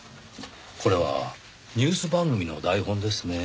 これはニュース番組の台本ですね？